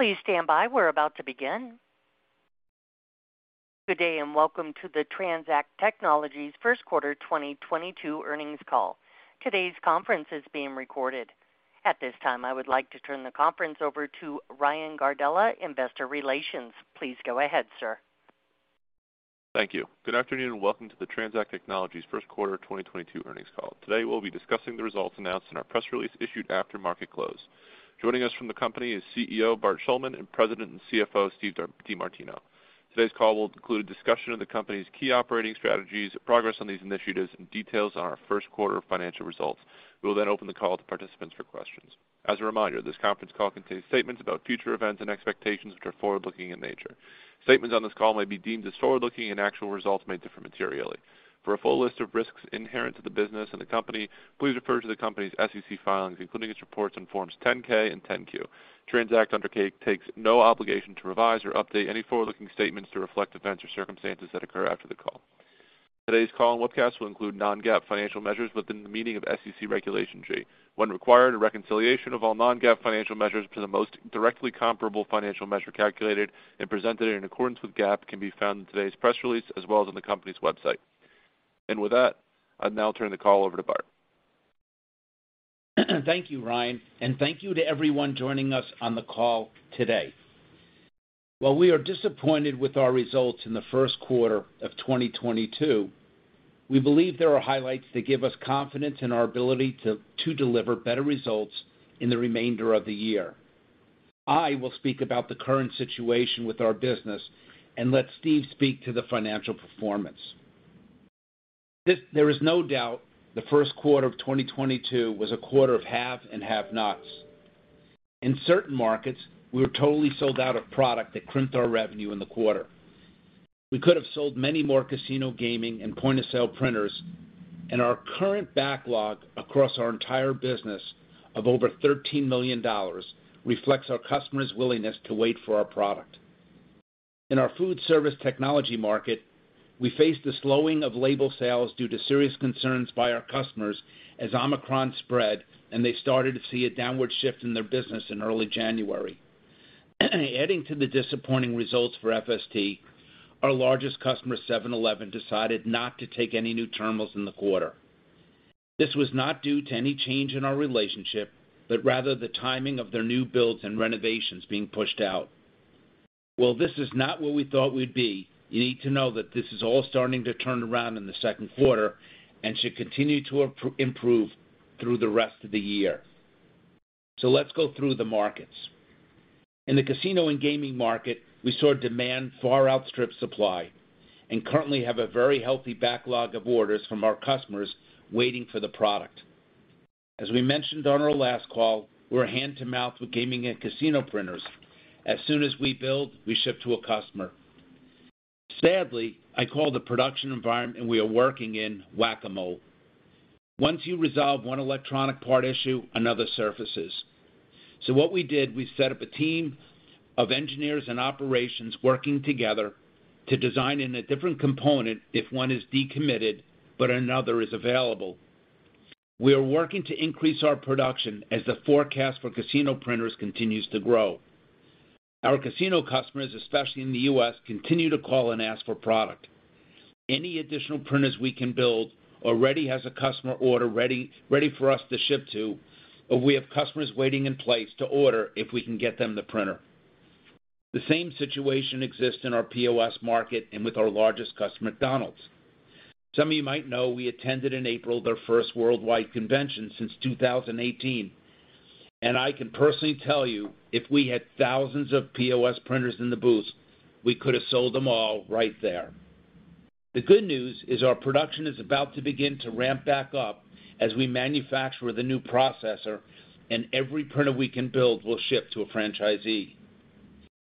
`Please stand by. We're about to begin. Good day, and welcome to the TransAct Technologies first quarter 2022 earnings call. Today's conference is being recorded. At this time, I would like to turn the conference over to Ryan Gardella, Investor Relations. Please go ahead, sir. Thank you. Good afternoon, and welcome to the TransAct Technologies first quarter 2022 earnings call. Today, we'll be discussing the results announced in our press release issued after market close. Joining us from the company is CEO, Bart Shuldman, and President and CFO, Steve DeMartino. Today's call will include a discussion of the company's key operating strategies, progress on these initiatives, and details on our first quarter financial results. We will then open the call to participants for questions. As a reminder, this conference call contains statements about future events and expectations which are forward-looking in nature. Statements on this call may be deemed as forward-looking, and actual results may differ materially. For a full list of risks inherent to the business and the company, please refer to the company's SEC filings, including its reports on forms 10-K and 10-Q. TransAct undertakes no obligation to revise or update any forward-looking statements to reflect events or circumstances that occur after the call. Today's call and webcast will include non-GAAP financial measures within the meaning of SEC Regulation G. When required, a reconciliation of all non-GAAP financial measures to the most directly comparable financial measure calculated and presented in accordance with GAAP can be found in today's press release as well as on the company's website. With that, I'll now turn the call over to Bart. Thank you, Ryan, and thank you to everyone joining us on the call today. While we are disappointed with our results in the first quarter of 2022, we believe there are highlights that give us confidence in our ability to deliver better results in the remainder of the year. I will speak about the current situation with our business and let Steve speak to the financial performance. There is no doubt the first quarter of 2022 was a quarter of haves and have-nots. In certain markets, we were totally sold out of product that crimped our revenue in the quarter. We could have sold many more casino gaming and point-of-sale printers, and our current backlog across our entire business of over $13 million reflects our customers' willingness to wait for our product. In our food service technology market, we faced the slowing of label sales due to serious concerns by our customers as Omicron spread, and they started to see a downward shift in their business in early January. Adding to the disappointing results for FST, our largest customer, 7-Eleven, decided not to take any new terminals in the quarter. This was not due to any change in our relationship, but rather the timing of their new builds and renovations being pushed out. While this is not where we thought we'd be, you need to know that this is all starting to turn around in the second quarter and should continue to improve through the rest of the year. Let's go through the markets. In the casino and gaming market, we saw demand far outstrip supply, and currently have a very healthy backlog of orders from our customers waiting for the product. As we mentioned on our last call, we're hand to mouth with gaming and casino printers. As soon as we build, we ship to a customer. Sadly, I call the production environment, and we are working in Whac-A-Mole. Once you resolve one electronic part issue, another surfaces. What we did, we set up a team of engineers and operations working together to design in a different component if one is decommitted but another is available. We are working to increase our production as the forecast for casino printers continues to grow. Our casino customers, especially in the U.S., continue to call and ask for product. Any additional printers we can build already has a customer order ready for us to ship to, or we have customers waiting in place to order if we can get them the printer. The same situation exists in our POS market and with our largest customer, McDonald's. Some of you might know we attended in April their first worldwide convention since 2018, and I can personally tell you if we had thousands of POS printers in the booth, we could have sold them all right there. The good news is our production is about to begin to ramp back up as we manufacture the new processor, and every printer we can build will ship to a franchisee.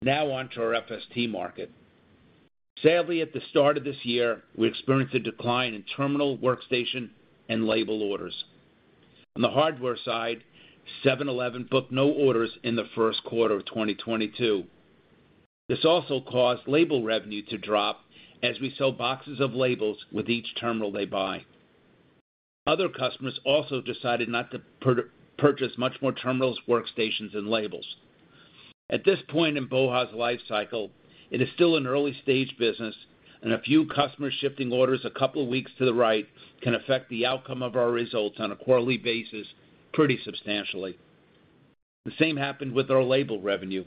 Now on to our FST market. Sadly, at the start of this year, we experienced a decline in terminal, workstation, and label orders. On the hardware side, 7-Eleven booked no orders in the first quarter of 2022. This also caused label revenue to drop as we sell boxes of labels with each terminal they buy. Other customers also decided not to purchase much more terminals, workstations, and labels. At this point in BOHA!'s lifecycle, it is still an early-stage business, and a few customers shifting orders a couple weeks to the right can affect the outcome of our results on a quarterly basis pretty substantially. The same happened with our label revenue.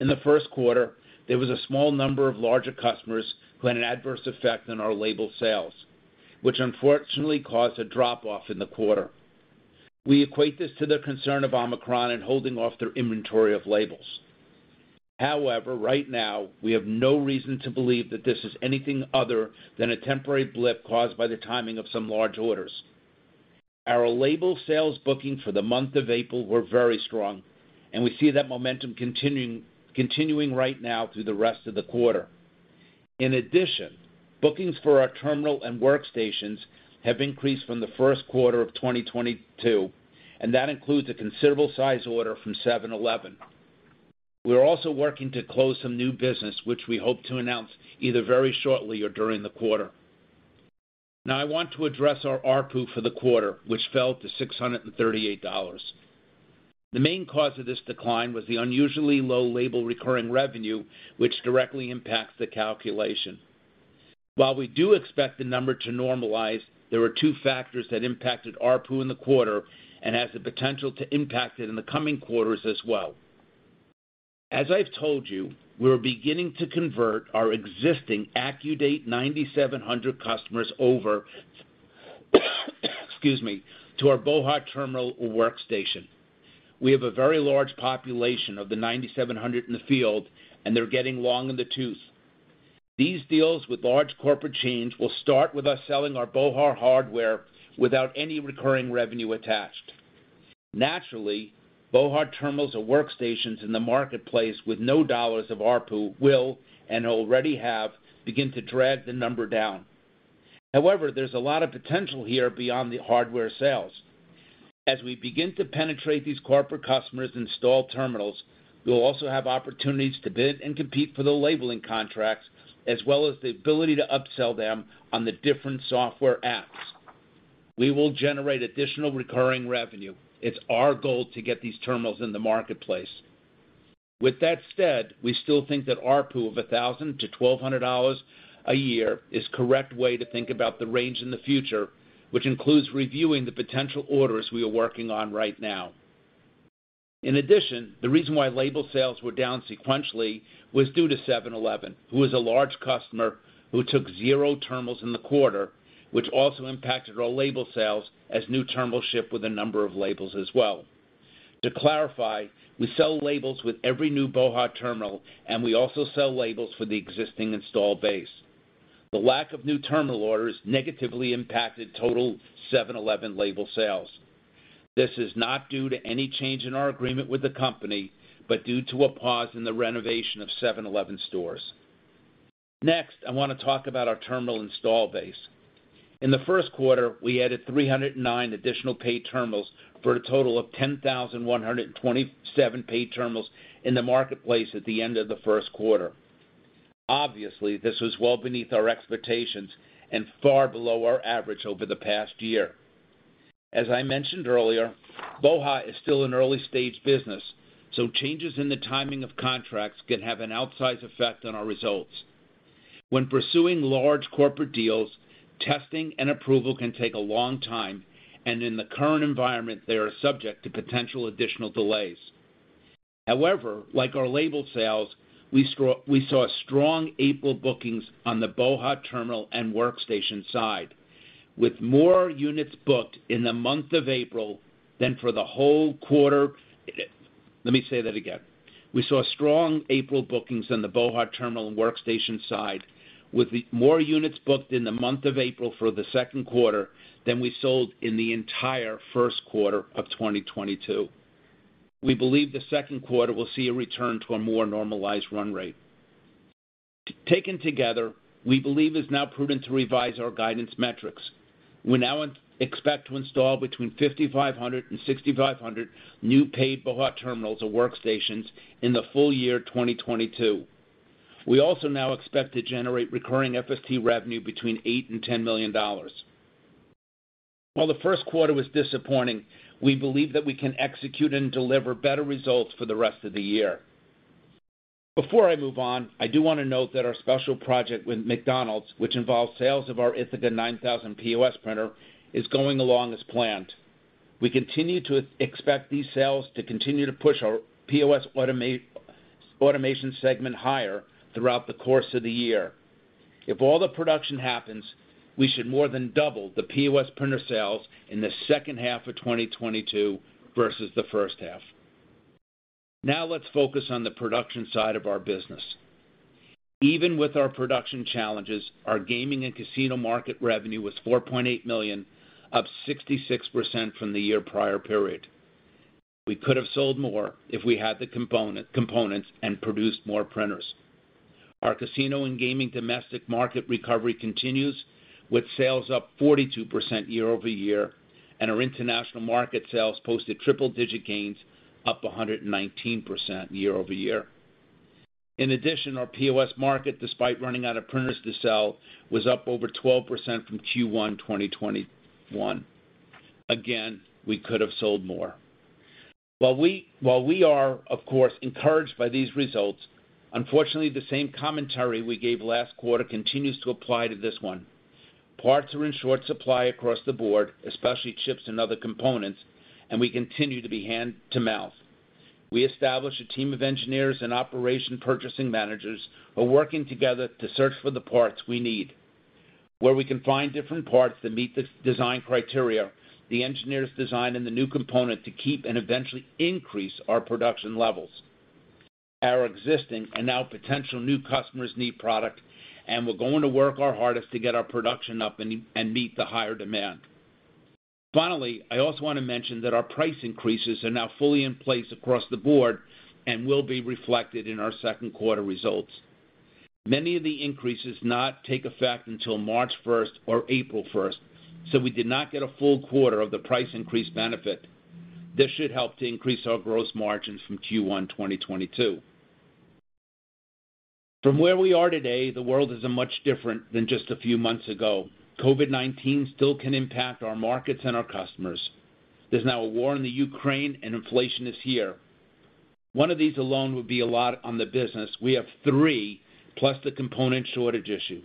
In the first quarter, there was a small number of larger customers who had an adverse effect on our label sales, which unfortunately caused a drop-off in the quarter. We equate this to the concern of Omicron and holding off their inventory of labels. However, right now, we have no reason to believe that this is anything other than a temporary blip caused by the timing of some large orders. Our label sales bookings for the month of April were very strong, and we see that momentum continuing right now through the rest of the quarter. In addition, bookings for our terminal and workstations have increased from the first quarter of 2022, and that includes a considerable size order from 7-Eleven. We are also working to close some new business, which we hope to announce either very shortly or during the quarter. Now I want to address our ARPU for the quarter, which fell to $638. The main cause of this decline was the unusually low label recurring revenue, which directly impacts the calculation. While we do expect the number to normalize, there were two factors that impacted ARPU in the quarter and has the potential to impact it in the coming quarters as well. As I've told you, we're beginning to convert our existing AccuDate 9700 customers over excuse me, to our BOHA! terminal workstation. We have a very large population of the 9700 in the field, and they're getting long in the tooth. These deals with large corporate chains will start with us selling our BOHA! hardware without any recurring revenue attached. Naturally, BOHA! terminals or workstations in the marketplace with no dollars of ARPU will, and already have, begin to drag the number down. However, there's a lot of potential here beyond the hardware sales. As we begin to penetrate these corporate customers installed terminals, we will also have opportunities to bid and compete for the labeling contracts, as well as the ability to upsell them on the different software apps. We will generate additional recurring revenue. It's our goal to get these terminals in the marketplace. With that said, we still think that ARPU of $1,000-$1,200 a year is correct way to think about the range in the future, which includes reviewing the potential orders we are working on right now. In addition, the reason why label sales were down sequentially was due to 7-Eleven, who is a large customer who took 0 terminals in the quarter, which also impacted our label sales as new terminals ship with a number of labels as well. To clarify, we sell labels with every new BOHA! terminal, and we also sell labels for the existing installed base. The lack of new terminal orders negatively impacted total 7-Eleven label sales. This is not due to any change in our agreement with the company, but due to a pause in the renovation of 7-Eleven stores. Next, I want to talk about our terminal installed base. In the first quarter, we added 309 additional paid terminals for a total of 10,127 paid terminals in the marketplace at the end of the first quarter. Obviously, this was well beneath our expectations and far below our average over the past year. As I mentioned earlier, BOHA! is still an early-stage business, so changes in the timing of contracts can have an outsized effect on our results. When pursuing large corporate deals, testing and approval can take a long time, and in the current environment, they are subject to potential additional delays. However, like our label sales, we saw strong April bookings on the BOHA! terminal and workstation side, with more units booked in the month of April than for the whole quarter. Let me say that again. We saw strong April bookings on the BOHA! terminal and workstation side, with more units booked in the month of April for the second quarter than we sold in the entire first quarter of 2022. We believe the second quarter will see a return to a more normalized run rate. Taken together, we believe it's now prudent to revise our guidance metrics. We now expect to install between 5,500 and 6,500 new paid BOHA! terminals or workstations in the full year 2022. We also now expect to generate recurring FST revenue between $8 million and $10 million. While the first quarter was disappointing, we believe that we can execute and deliver better results for the rest of the year. Before I move on, I do want to note that our special project with McDonald's, which involves sales of our Ithaca 9000 POS printer, is going along as planned. We continue to expect these sales to continue to push our POS automation segment higher throughout the course of the year. If all the production happens, we should more than double the POS printer sales in the second half of 2022 versus the first half. Now let's focus on the production side of our business. Even with our production challenges, our gaming and casino market revenue was $4.8 million, up 66% from the year prior period. We could have sold more if we had the component, components and produced more printers. Our casino and gaming domestic market recovery continues, with sales up 42% year-over-year, and our international market sales posted triple-digit gains, up 119% year-over-year. In addition, our POS market, despite running out of printers to sell, was up over 12% from Q1 2021. Again, we could have sold more. While we are, of course, encouraged by these results, unfortunately, the same commentary we gave last quarter continues to apply to this one. Parts are in short supply across the board, especially chips and other components, and we continue to be hand to mouth. We established a team of engineers and operation purchasing managers who are working together to search for the parts we need. Where we can find different parts that meet the design criteria, the engineers design in the new component to keep and eventually increase our production levels. Our existing and now potential new customers need product, and we're going to work our hardest to get our production up and meet the higher demand. Finally, I also want to mention that our price increases are now fully in place across the board and will be reflected in our second quarter results. Many of the increases not take effect until March first or April first, so we did not get a full quarter of the price increase benefit. This should help to increase our gross margins from Q1 2022. From where we are today, the world is much different than just a few months ago. COVID-19 still can impact our markets and our customers. There's now a war in the Ukraine, and inflation is here. One of these alone would be a lot on the business. We have three, plus the component shortage issue.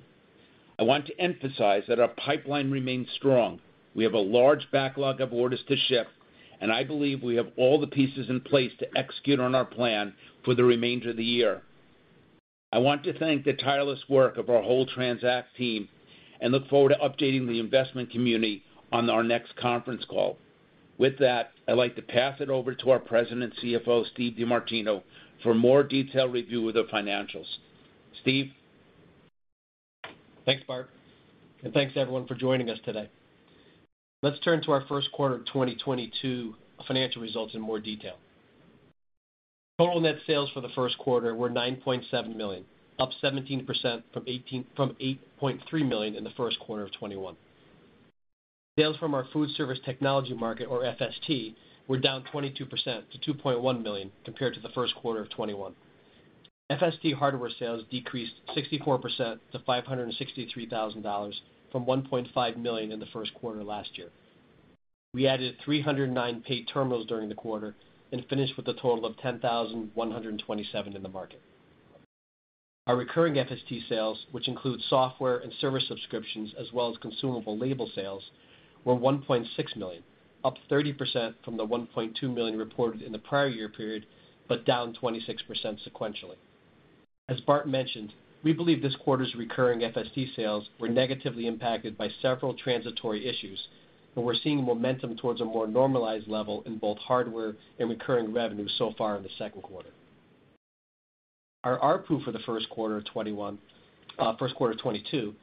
I want to emphasize that our pipeline remains strong. We have a large backlog of orders to ship, and I believe we have all the pieces in place to execute on our plan for the remainder of the year. I want to thank the tireless work of our whole TransAct team and look forward to updating the investment community on our next conference call. With that, I'd like to pass it over to our President and CFO, Steve DeMartino, for a more detailed review of the financials. Steve? Thanks, Bart. Thanks, everyone, for joining us today. Let's turn to our first quarter of 2022 financial results in more detail. Total net sales for the first quarter were $9.7 million, up 17% from $8.3 million in the first quarter of 2021. Sales from our food service technology market, or FST, were down 22% to $2.1 million compared to the first quarter of 2021. FST hardware sales decreased 64% to $563 thousand from $1.5 million in the first quarter of last year. We added 309 paid terminals during the quarter and finished with a total of 10,127 in the market. Our recurring FST sales, which include software and service subscriptions, as well as consumable label sales, were $1.6 million, up 30% from the $1.2 million reported in the prior year period, but down 26% sequentially. As Bart mentioned, we believe this quarter's recurring FST sales were negatively impacted by several transitory issues, and we're seeing momentum towards a more normalized level in both hardware and recurring revenue so far in the second quarter. Our ARPU for the first quarter of 2022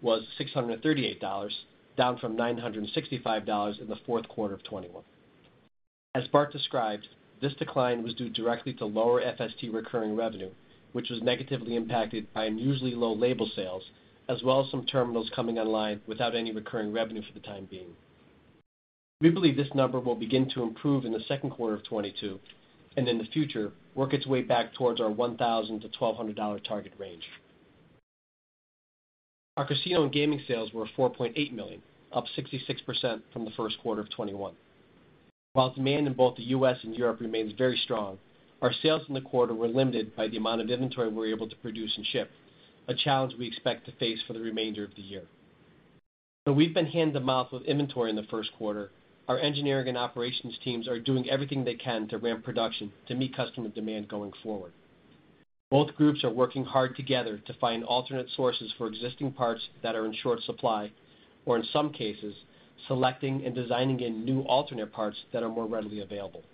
was $638, down from $965 in the fourth quarter of 2021. As Bart described, this decline was due directly to lower FST recurring revenue, which was negatively impacted by unusually low label sales, as well as some terminals coming online without any recurring revenue for the time being. We believe this number will begin to improve in the second quarter of 2022, and in the future, work its way back towards our $1,000-$1,200 target range. Our casino and gaming sales were $4.8 million, up 66% from the first quarter of 2021. While demand in both the U.S. and Europe remains very strong, our sales in the quarter were limited by the amount of inventory we were able to produce and ship, a challenge we expect to face for the remainder of the year. Though we've been hand to mouth with inventory in the first quarter, our engineering and operations teams are doing everything they can to ramp production to meet customer demand going forward. Both groups are working hard together to find alternate sources for existing parts that are in short supply, or in some cases, selecting and designing in new alternate parts that are more readily available.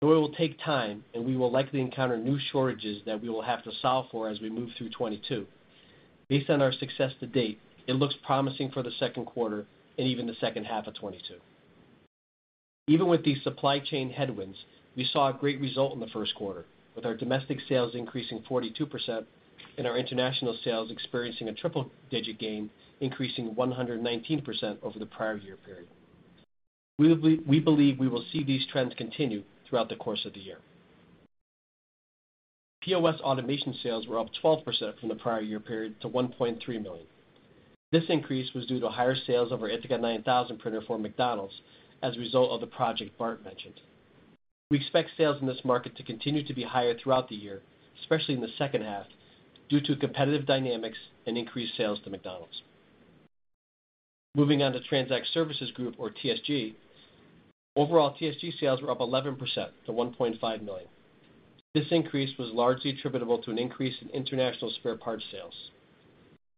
It will take time, and we will likely encounter new shortages that we will have to solve for as we move through 2022. Based on our success to date, it looks promising for the second quarter and even the second half of 2022. Even with these supply chain headwinds, we saw a great result in the first quarter, with our domestic sales increasing 42% and our international sales experiencing a triple-digit gain, increasing 119% over the prior year period. We believe we will see these trends continue throughout the course of the year. POS automation sales were up 12% from the prior year period to $1.3 million. This increase was due to higher sales of our Ithaca 9000 printer for McDonald's as a result of the project Bart mentioned. We expect sales in this market to continue to be higher throughout the year, especially in the second half, due to competitive dynamics and increased sales to McDonald's. Moving on to TransAct Services Group, or TSG, overall TSG sales were up 11% to $1.5 million. This increase was largely attributable to an increase in international spare parts sales.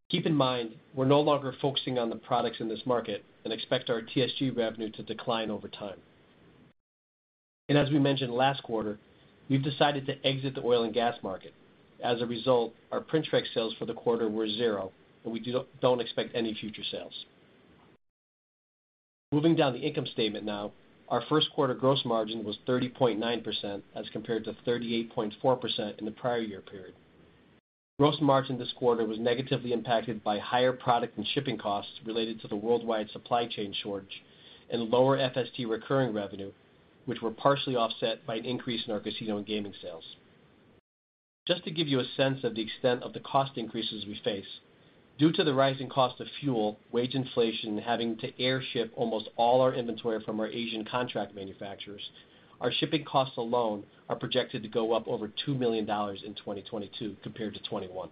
Keep in mind, we're no longer focusing on the products in this market and expect our TSG revenue to decline over time. As we mentioned last quarter, we've decided to exit the oil and gas market. As a result, our Printrex sales for the quarter were 0, and we don't expect any future sales. Moving down the income statement now, our first quarter gross margin was 30.9% as compared to 38.4% in the prior year period. Gross margin this quarter was negatively impacted by higher product and shipping costs related to the worldwide supply chain shortage and lower FST recurring revenue, which were partially offset by an increase in our casino and gaming sales. Just to give you a sense of the extent of the cost increases we face, due to the rising cost of fuel, wage inflation, and having to air ship almost all our inventory from our Asian contract manufacturers, our shipping costs alone are projected to go up over $2 million in 2022 compared to 2021.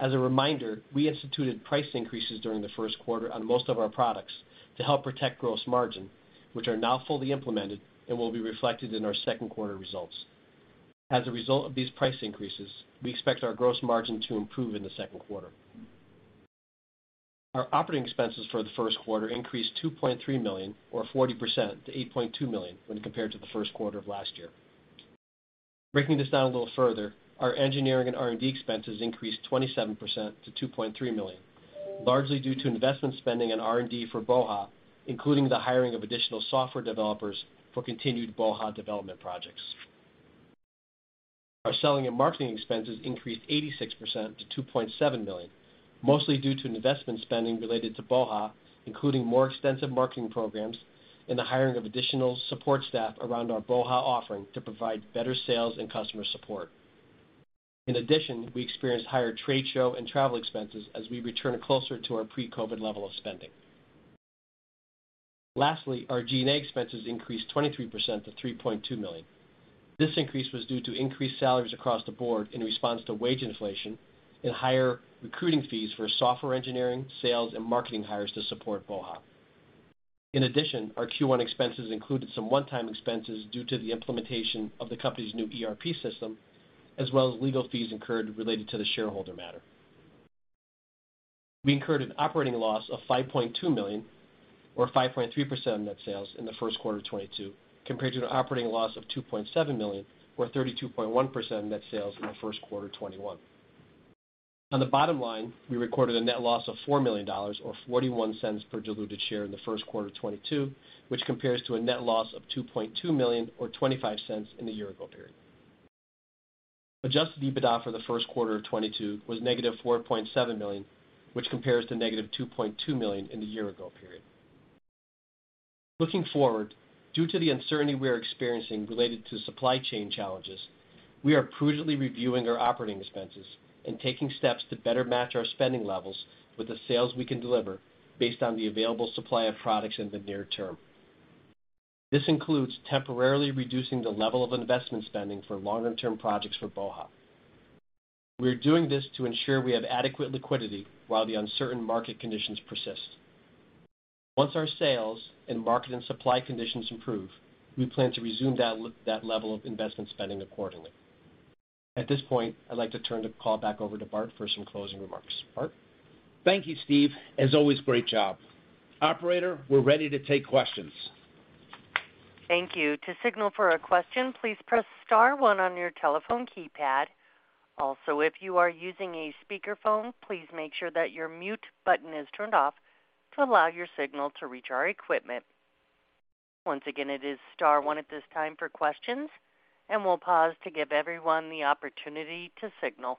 As a reminder, we instituted price increases during the first quarter on most of our products to help protect gross margin, which are now fully implemented and will be reflected in our second quarter results. As a result of these price increases, we expect our gross margin to improve in the second quarter. Our operating expenses for the first quarter increased $2.3 million or 40% to $8.2 million when compared to the first quarter of last year. Breaking this down a little further, our engineering and R&D expenses increased 27% to $2.3 million, largely due to investment spending on R&D for BOHA, including the hiring of additional software developers for continued BOHA development projects. Our selling and marketing expenses increased 86% to $2.7 million, mostly due to investment spending related to BOHA, including more extensive marketing programs and the hiring of additional support staff around our BOHA offering to provide better sales and customer support. In addition, we experienced higher trade show and travel expenses as we return closer to our pre-COVID level of spending. Lastly, our G&A expenses increased 23% to $3.2 million. This increase was due to increased salaries across the board in response to wage inflation and higher recruiting fees for software engineering, sales and marketing hires to support BOHA. In addition, our Q1 expenses included some one-time expenses due to the implementation of the company's new ERP system, as well as legal fees incurred related to the shareholder matter. We incurred an operating loss of $5.2 million or 5.3% of net sales in the first quarter of 2022, compared to an operating loss of $2.7 million or 32.1% of net sales in the first quarter of 2021. On the bottom line, we recorded a net loss of $4 million or $0.41 per diluted share in the first quarter of 2022, which compares to a net loss of $2.2 million or $0.25 in the year ago period. Adjusted EBITDA for the first quarter of 2022 was -$4.7 million, which compares to -$2.2 million in the year ago period. Looking forward, due to the uncertainty we are experiencing related to supply chain challenges, we are prudently reviewing our operating expenses and taking steps to better match our spending levels with the sales we can deliver based on the available supply of products in the near term. This includes temporarily reducing the level of investment spending for longer term projects for BOHA. We are doing this to ensure we have adequate liquidity while the uncertain market conditions persist. Once our sales and market and supply conditions improve, we plan to resume that level of investment spending accordingly. At this point, I'd like to turn the call back over to Bart for some closing remarks. Bart. Thank you, Steve. As always, great job. Operator, we're ready to take questions. Thank you. To signal for a question, please press star one on your telephone keypad. Also, if you are using a speakerphone, please make sure that your mute button is turned off to allow your signal to reach our equipment. Once again, it is star one at this time for questions, and we'll pause to give everyone the opportunity to signal.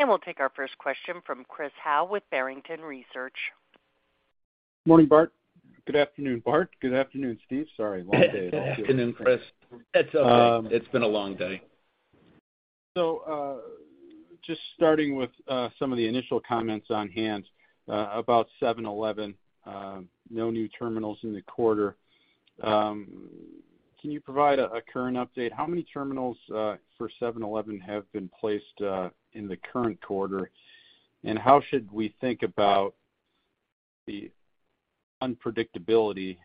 We'll take our first question from Chris Howe with Barrington Research. Morning, Bart. Good afternoon, Bart. Good afternoon, Steve. Sorry, long day. Afternoon, Chris. It's all right. It's been a long day. Just starting with some of the initial comments on hand about 7-Eleven, no new terminals in the quarter. Can you provide a current update? How many terminals for seven to 11 have been placed in the current quarter? How should we think about the unpredictability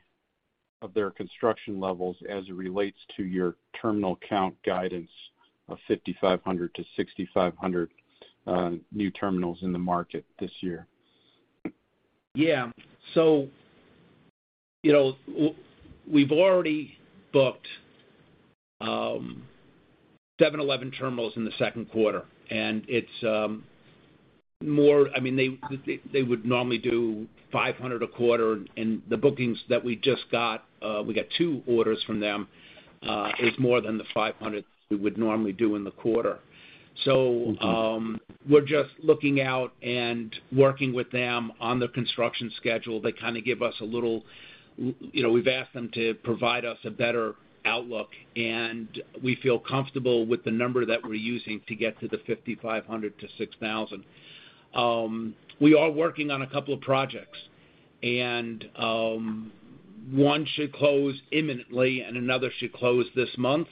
of their construction levels as it relates to your terminal count guidance of 5,500-6,500 new terminals in the market this year? Yeah. You know, we've already booked 7-Eleven terminals in the second quarter, and it's more. I mean, they would normally do 500 a quarter, and the bookings that we just got, we got two orders from them, is more than the 500 we would normally do in the quarter. Okay. We're just looking out and working with them on the construction schedule. We've asked them to provide us a better outlook, and we feel comfortable with the number that we're using to get to the 5,500-6,000. We are working on a couple of projects, and one should close imminently and another should close this month,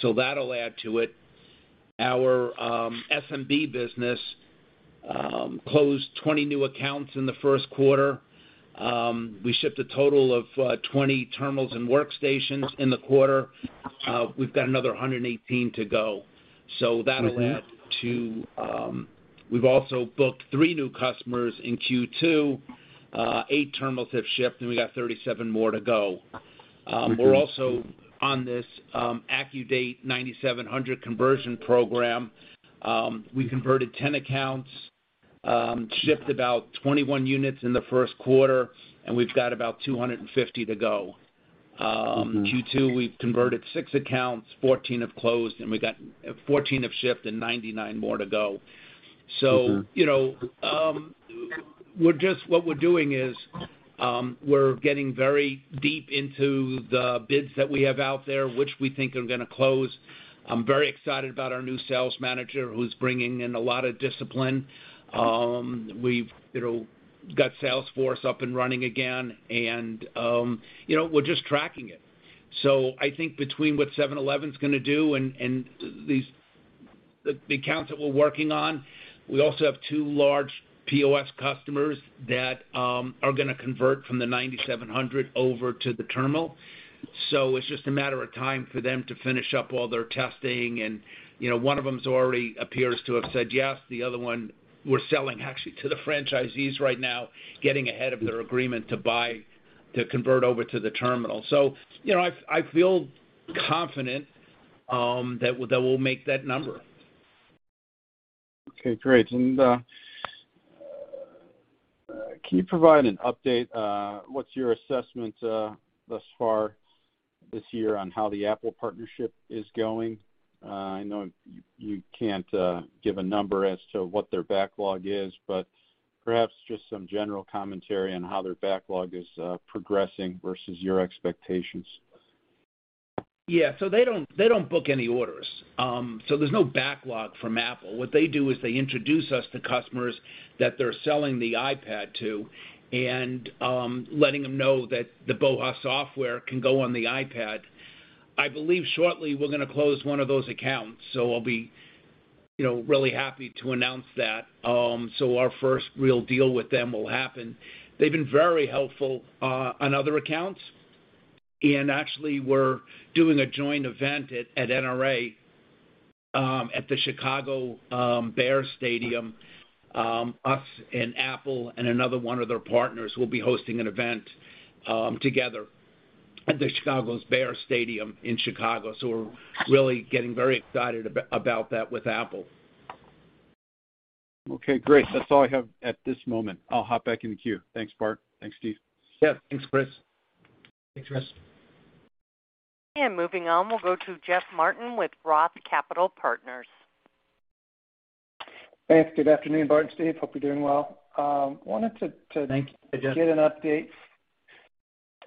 so that'll add to it. Our SMB business closed 20 new accounts in the first quarter. We shipped a total of 20 terminals and workstations in the quarter. We've got another 118 to go. Mm-hmm. We've also booked three new customers in Q2. Eight terminals have shipped, and we got 37 more to go. Okay. We're also on this AccuDate 9700 conversion program. We converted 10 accounts, shipped about 21 units in the first quarter, and we've got about 250 to go. Mm-hmm. Q2, we've converted 6 accounts, 14 have closed, 14 have shipped and 99 more to go. Okay. You know, what we're doing is we're getting very deep into the bids that we have out there, which we think are gonna close. I'm very excited about our new sales manager, who's bringing in a lot of discipline. We've you know got Salesforce up and running again, and you know we're just tracking it. I think between what 7-Eleven's gonna do and these accounts that we're working on, we also have two large POS customers that are gonna convert from the 9700 over to the terminal. It's just a matter of time for them to finish up all their testing, and you know one of them already appears to have said yes. The other one we're selling actually to the franchisees right now, getting ahead of their agreement to buy, to convert over to the terminal. You know, I feel confident that we'll make that number. Okay, great. Can you provide an update, what's your assessment thus far this year on how the Apple partnership is going. I know you can't give a number as to what their backlog is, but perhaps just some general commentary on how their backlog is progressing versus your expectations. Yeah. They don't book any orders. There's no backlog from Apple. What they do is they introduce us to customers that they're selling the iPad to and letting them know that the BOHA! software can go on the iPad. I believe shortly we're gonna close one of those accounts, so I'll be, you know, really happy to announce that. Our first real deal with them will happen. They've been very helpful on other accounts. Actually we're doing a joint event at NRA at the Chicago Bears stadium. Us and Apple and another one of their partners will be hosting an event together at the Chicago Bears' stadium in Chicago. We're really getting very excited about that with Apple. Okay, great. That's all I have at this moment. I'll hop back in the queue. Thanks, Bart. Thanks, Steve. Yes. Thanks, Chris. Thanks, Chris. Moving on, we'll go to Jeff Martin with ROTH Capital Partners. Thanks. Good afternoon, Bart and Steve. Hope you're doing well. Wanted to. Thank you, Jeff.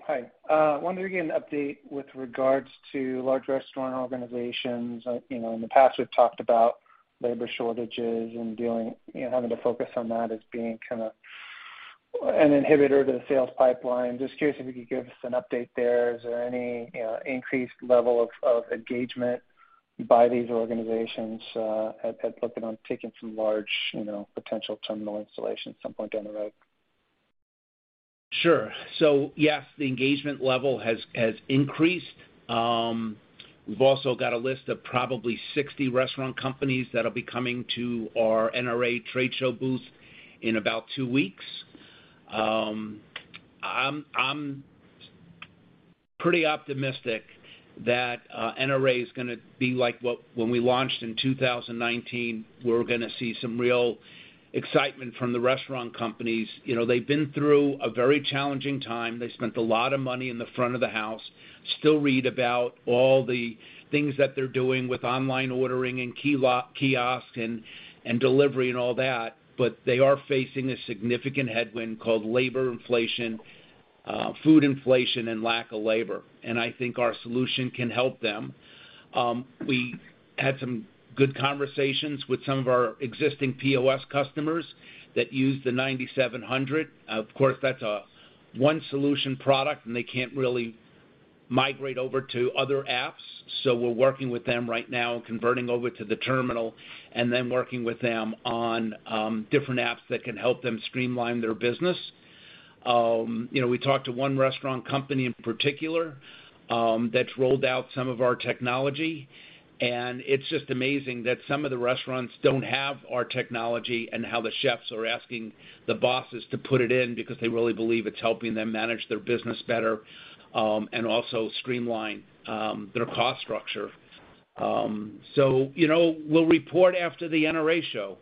Hi. Wanted to get an update with regards to large restaurant organizations. You know, in the past, we've talked about labor shortages and dealing, you know, having to focus on that as being kinda an inhibitor to the sales pipeline. Just curious if you could give us an update there. Is there any, you know, increased level of engagement by these organizations at looking into taking some large, you know, potential terminal installations at some point down the road? Sure. Yes, the engagement level has increased. We've also got a list of probably 60 restaurant companies that'll be coming to our NRA trade show booth in about two weeks. I'm pretty optimistic that NRA is gonna be like what when we launched in 2019, we're gonna see some real excitement from the restaurant companies. You know, they've been through a very challenging time. They spent a lot of money in the front of the house. Still read about all the things that they're doing with online ordering and kiosk and delivery and all that, but they are facing a significant headwind called labor inflation, food inflation and lack of labor, and I think our solution can help them. We had some good conversations with some of our existing POS customers that use the 9700. Of course, that's a one solution product, and they can't really migrate over to other apps. We're working with them right now, converting over to the terminal and then working with them on different apps that can help them streamline their business. You know, we talked to one restaurant company in particular that's rolled out some of our technology, and it's just amazing that some of the restaurants don't have our technology, and how the chefs are asking the bosses to put it in because they really believe it's helping them manage their business better and also streamline their cost structure. You know, we'll report after the NRA show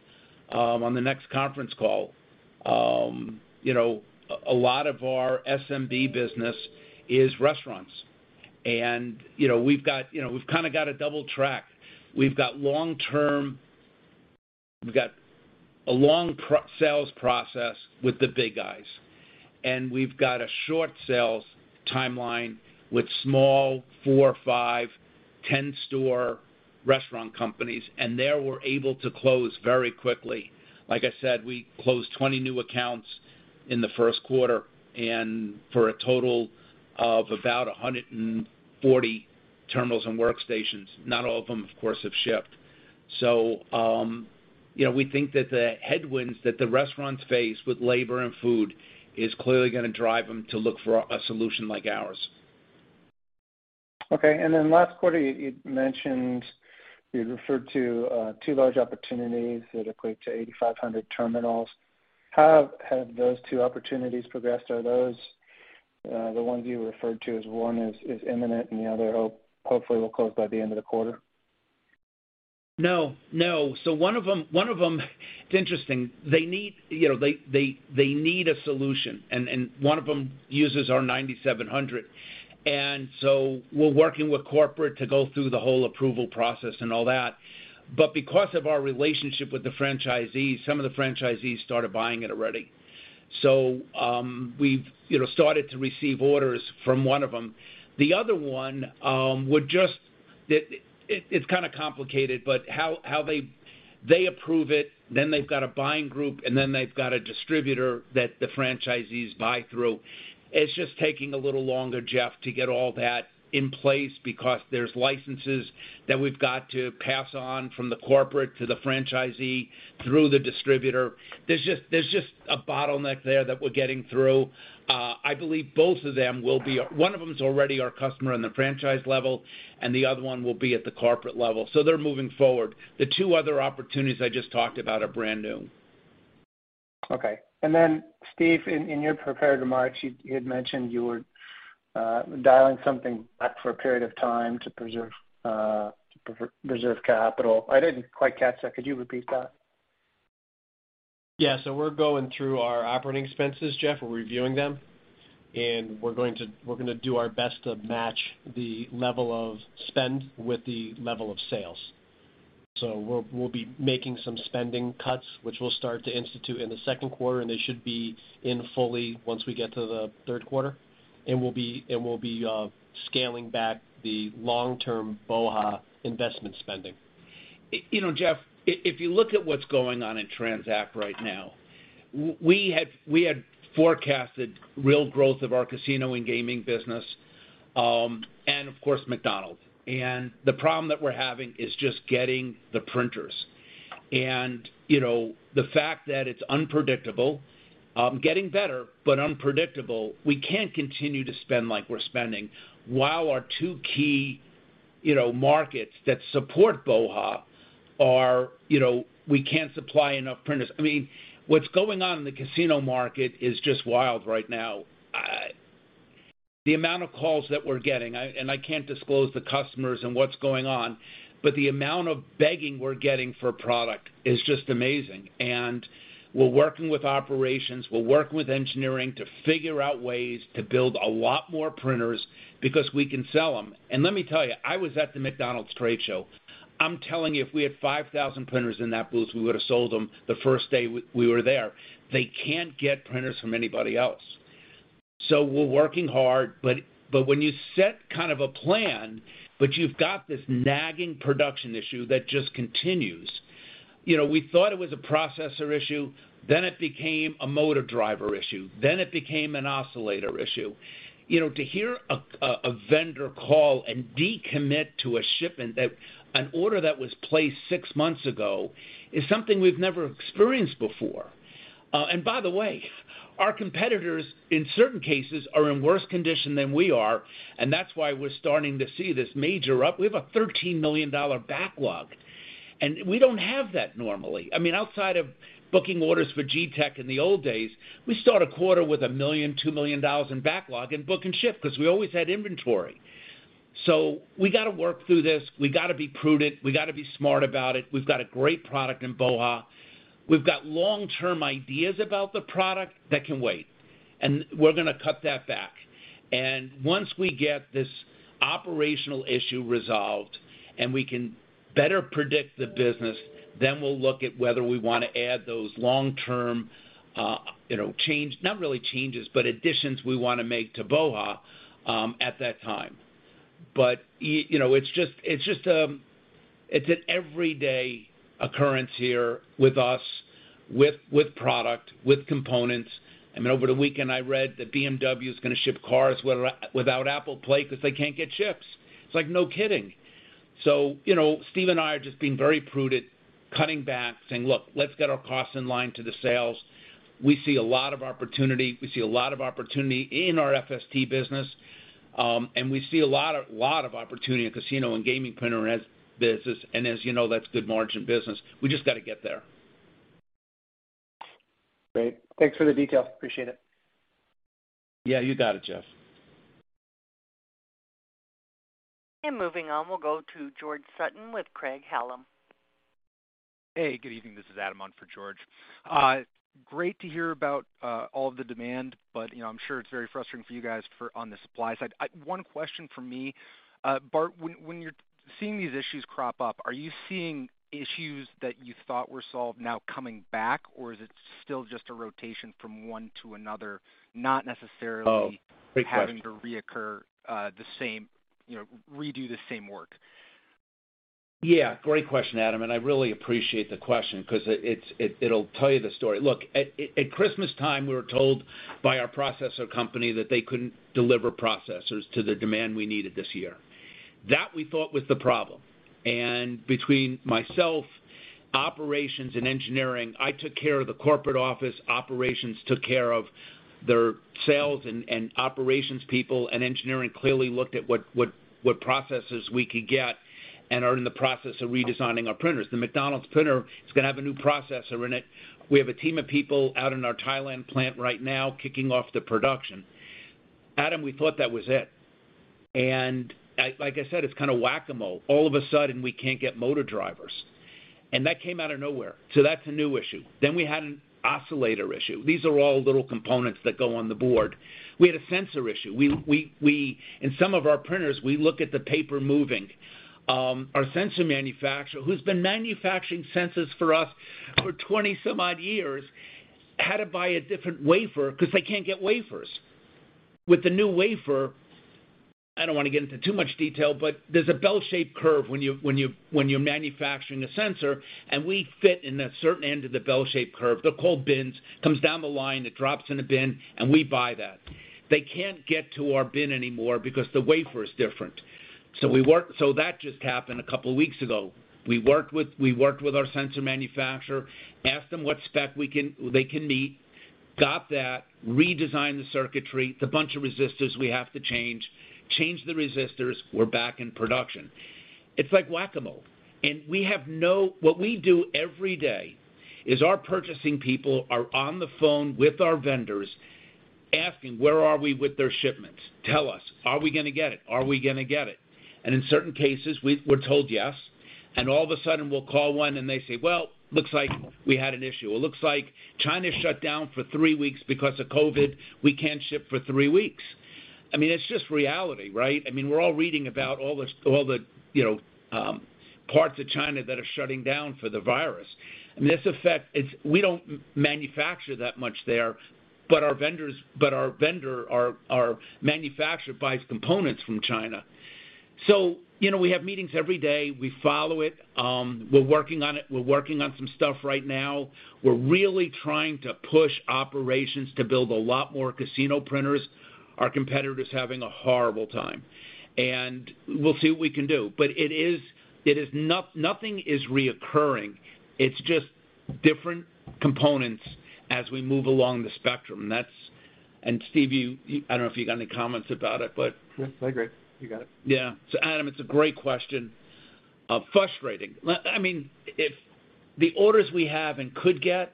on the next conference call. You know, a lot of our SMB business is restaurants. You know, we've got, you know, we've kinda got a double track. We've got long-term. We've got a long sales process with the big guys, and we've got a short sales timeline with small four, 5, 10 store restaurant companies, and there, we're able to close very quickly. Like I said, we closed 20 new accounts in the first quarter and for a total of about 140 terminals and workstations. Not all of them, of course, have shipped. You know, we think that the headwinds that the restaurants face with labor and food is clearly gonna drive them to look for a solution like ours. Okay. Last quarter, you'd mentioned you'd referred to two large opportunities that equate to 8,500 terminals. How have those two opportunities progressed? Are those the ones you referred to as one is imminent and the other hopefully will close by the end of the quarter? No. One of them, it's interesting. They need, you know, a solution, and one of them uses our 9700. We're working with corporate to go through the whole approval process and all that. Because of our relationship with the franchisees, some of the franchisees started buying it already. We've, you know, started to receive orders from one of them. The other one. It's kinda complicated, but how they approve it, then they've got a buying group, and then they've got a distributor that the franchisees buy through. It's just taking a little longer, Jeff, to get all that in place because there's licenses that we've got to pass on from the corporate to the franchisee through the distributor. There's just a bottleneck there that we're getting through. I believe both of them will be. One of them is already our customer on the franchise level, and the other one will be at the corporate level. They're moving forward. The two other opportunities I just talked about are brand new. Okay. Steve, in your prepared remarks, you had mentioned you were dialing something back for a period of time to preserve capital. I didn't quite catch that. Could you repeat that? Yeah. We're going through our operating expenses, Jeff. We're reviewing them, and we're gonna do our best to match the level of spend with the level of sales. We'll be making some spending cuts, which we'll start to institute in the second quarter, and they should be in fully once we get to the third quarter. We'll be scaling back the long-term BOHA! investment spending. You know, Jeff, if you look at what's going on in TransAct right now, we had forecasted real growth of our casino and gaming business, and of course McDonald's. The problem that we're having is just getting the printers. You know, the fact that it's unpredictable, getting better, but unpredictable, we can't continue to spend like we're spending while our two key, you know, markets that support BOHA! You know, we can't supply enough printers. I mean, what's going on in the casino market is just wild right now. The amount of calls that we're getting. I can't disclose the customers and what's going on, but the amount of begging we're getting for product is just amazing. We're working with operations, we're working with engineering to figure out ways to build a lot more printers, because we can sell them. Let me tell you, I was at the McDonald's trade show. I'm telling you, if we had 5,000 printers in that booth, we would've sold them the first day we were there. They can't get printers from anybody else. We're working hard. When you set kind of a plan, but you've got this nagging production issue that just continues. You know, we thought it was a processor issue, then it became a motor driver issue, then it became an oscillator issue. You know, to hear a vendor call and decommit to a shipment that an order that was placed six months ago is something we've never experienced before. By the way, our competitors, in certain cases, are in worse condition than we are, and that's why we're starting to see this major up. We have a $13 million backlog, and we don't have that normally. I mean, outside of booking orders for GTECH in the old days, we start a quarter with a $1 million, $2 million dollars in backlog and book and ship 'cause we always had inventory. We gotta work through this. We gotta be prudent. We gotta be smart about it. We've got a great product in BOHA!. We've got long-term ideas about the product that can wait, and we're gonna cut that back. Once we get this operational issue resolved and we can better predict the business, then we'll look at whether we wanna add those long-term, you know, change. No real changes, but additions we wanna make to BOHA! at that time. You know, it's just an everyday occurrence here with us, with product, with components. I mean, over the weekend, I read that BMW's gonna ship cars without Apple CarPlay 'cause they can't get chips. It's like, no kidding. You know, Steve and I are just being very prudent, cutting back, saying, "Look, let's get our costs in line to the sales." We see a lot of opportunity. We see a lot of opportunity in our FST business. We see a lot of opportunity in casino and gaming printers business. As you know, that's good margin business. We just gotta get there. Great. Thanks for the detail. Appreciate it. Yeah. You got it, Jeff. Moving on, we'll go to George Sutton with Craig-Hallum. Hey, good evening. This is Adam on for George. Great to hear about all of the demand, but, you know, I'm sure it's very frustrating for you guys for on the supply side. One question from me. Bart, when you're seeing these issues crop up, are you seeing issues that you thought were solved now coming back, or is it still just a rotation from one to another, not necessarily. Oh, great question.... having to reoccur, the same, you know, redo the same work? Yeah, great question, Adam. I really appreciate the question 'cause it'll tell you the story. Look, at Christmas time, we were told by our processor company that they couldn't deliver processors to the demand we needed this year. That we thought was the problem. Between myself, operations, and engineering, I took care of the corporate office, operations took care of their sales and operations people, and engineering clearly looked at what processes we could get and are in the process of redesigning our printers. The McDonald's printer is gonna have a new processor in it. We have a team of people out in our Thailand plant right now kicking off the production. Adam, we thought that was it. Like I said, it's kind of Whac-A-Mole. All of a sudden, we can't get motor drivers, and that came out of nowhere. That's a new issue. We had an oscillator issue. These are all little components that go on the board. We had a sensor issue. In some of our printers, we look at the paper moving. Our sensor manufacturer, who's been manufacturing sensors for us for 20-some-odd years, had to buy a different wafer 'cause they can't get wafers. With the new wafer, I don't wanna get into too much detail, but there's a bell-shaped curve when you're manufacturing a sensor, and we fit in a certain end of the bell-shaped curve. They're called bins. Comes down the line, it drops in a bin, and we buy that. They can't get to our bin anymore because the wafer is different. That just happened a couple weeks ago. We worked with our sensor manufacturer, asked them what spec they can meet, got that, redesigned the circuitry. It's a bunch of resistors we have to change. Changed the resistors. We're back in production. It's like Whac-A-Mole. What we do every day is our purchasing people are on the phone with our vendors, asking where we are with their shipments. Tell us, are we gonna get it? Are we gonna get it? In certain cases, we're told yes, and all of a sudden we'll call one and they say, "Well, looks like we had an issue or looks like China shut down for three weeks because of COVID. We can't ship for three weeks." I mean, it's just reality, righ I Yes, I agree. You got it. Yeah. Adam, it's a great question. Frustrating. I mean, if the orders we have and could get,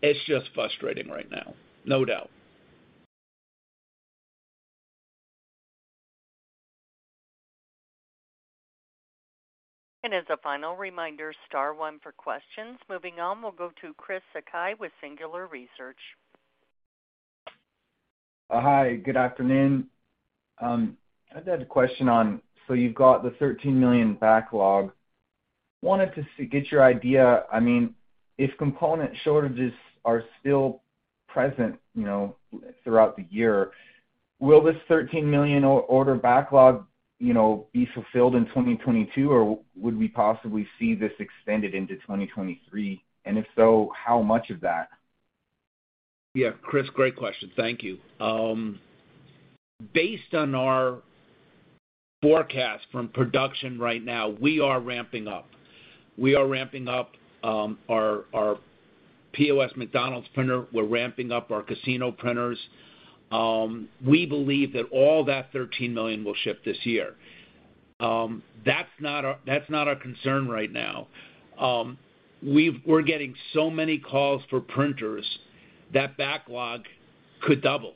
it's just frustrating right now. No doubt. As a final reminder, star one for questions. Moving on, we'll go to Chris Sakai with Singular Research. Hi, good afternoon. I just had a question on. You've got the $13 million backlog. Wanted to get your idea, I mean, if component shortages are still present, you know, throughout the year, will this $13 million order backlog, you know, be fulfilled in 2022, or would we possibly see this extended into 2023? If so, how much of that? Yeah. Chris, great question. Thank you. Based on our forecast from production right now, we are ramping up our POS McDonald's printer. We're ramping up our casino printers. We believe that all that $13 million will ship this year. That's not our concern right now. We're getting so many calls for printers, that backlog could double.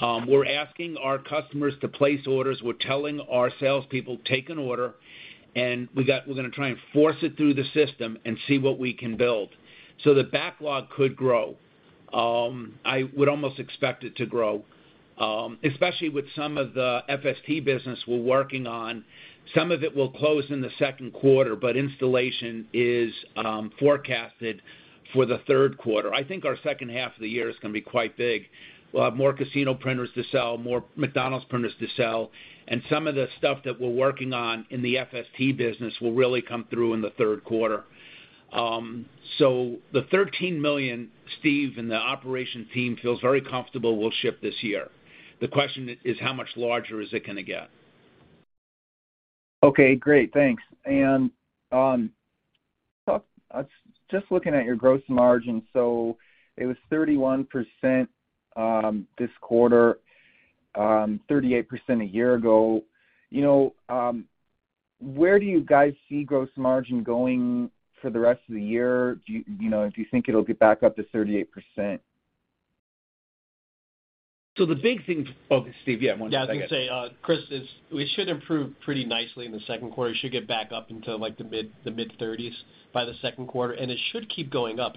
We're asking our customers to place orders. We're telling our salespeople, "Take an order," and we're gonna try and force it through the system and see what we can build. The backlog could grow. I would almost expect it to grow, especially with some of the FST business we're working on. Some of it will close in the second quarter, but installation is forecasted for the third quarter. I think our second half of the year is gonna be quite big. We'll have more casino printers to sell, more McDonald's printers to sell, and some of the stuff that we're working on in the FST business will really come through in the third quarter. The $13 million, Steve, and the operations team feels very comfortable we'll ship this year. The question is, how much larger is it gonna get? Okay, great. Thanks. Just looking at your gross margin, so it was 31% this quarter, 38% a year ago. You know, where do you guys see gross margin going for the rest of the year? Do you know, do you think it'll get back up to 38%? Oh, Steve, yeah. Why don't you say it? Yeah, I can say, Chris, we should improve pretty nicely in the second quarter. Should get back up into like the mid-30s% by the second quarter, and it should keep going up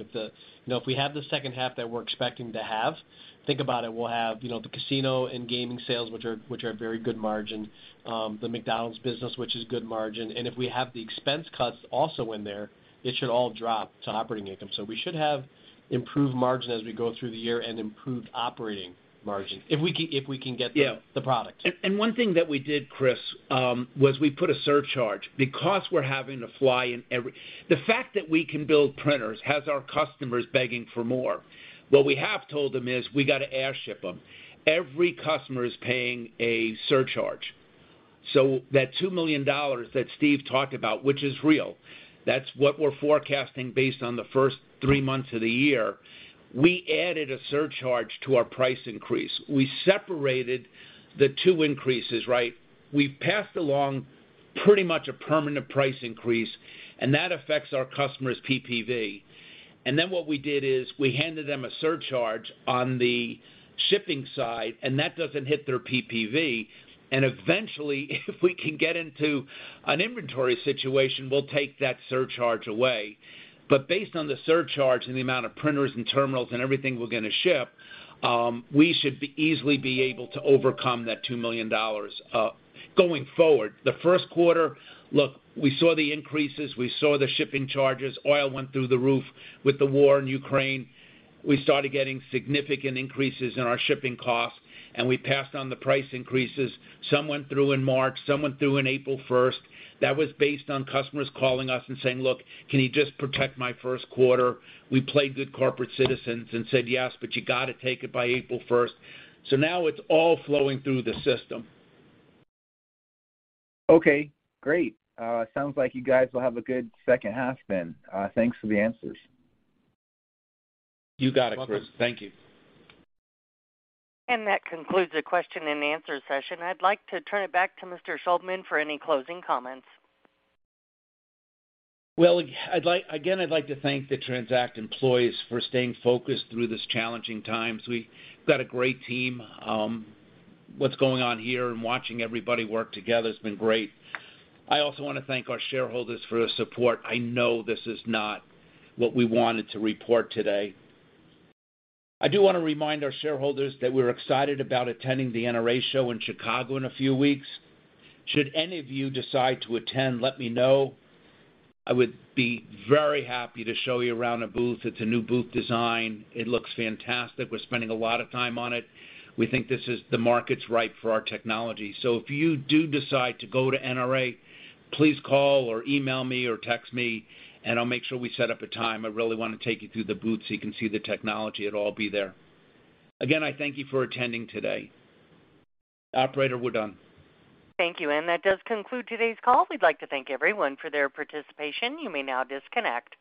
if we have the second half that we're expecting to have. You know, think about it, we'll have, you know, the casino and gaming sales, which are very good margin, the McDonald's business, which is good margin. If we have the expense cuts also in there, it should all drop to operating income. We should have improved margin as we go through the year and improved operating margin. If we can get the product. Yeah. One thing that we did, Chris, was we put a surcharge. We're having to fly in every. The fact that we can build printers has our customers begging for more. What we have told them is, "We gotta air ship them." Every customer is paying a surcharge. That $2 million that Steve talked about, which is real, that's what we're forecasting based on the first three months of the year. We added a surcharge to our price increase. We separated the two increases, right? We passed along pretty much a permanent price increase, and that affects our customers' PPV. Then what we did is, we handed them a surcharge on the shipping side, and that doesn't hit their PPV. Eventually, if we can get into an inventory situation, we'll take that surcharge away. Based on the surcharge and the amount of printers and terminals and everything we're gonna ship, we should be easily able to overcome that $2 million going forward. The first quarter, look, we saw the increases, we saw the shipping charges. Oil went through the roof with the war in Ukraine. We started getting significant increases in our shipping costs, and we passed on the price increases. Some went through in March, some went through in April first. That was based on customers calling us and saying, "Look, can you just protect my first quarter?" We played good corporate citizens and said, "Yes, but you gotta take it by April first." Now it's all flowing through the system. Okay, great. Sounds like you guys will have a good second half then. Thanks for the answers. You got it, Chris. Welcome. Thank you. That concludes the question and answer session. I'd like to turn it back to Mr. Shuldman for any closing comments. Again, I'd like to thank the TransAct employees for staying focused through these challenging times. We've got a great team. What's going on here and watching everybody work together has been great. I also wanna thank our shareholders for their support. I know this is not what we wanted to report today. I do wanna remind our shareholders that we're excited about attending the NRA show in Chicago in a few weeks. Should any of you decide to attend, let me know. I would be very happy to show you around our booth. It's a new booth design. It looks fantastic. We're spending a lot of time on it. We think this is. The market's ripe for our technology. If you do decide to go to NRA, please call or email me or text me, and I'll make sure we set up a time. I really wanna take you through the booth so you can see the technology. It'll all be there. Again, I thank you for attending today. Operator, we're done. Thank you. That does conclude today's call. We'd like to thank everyone for their participation. You may now disconnect.